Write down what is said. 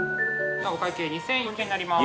お会計２，０４０円になります。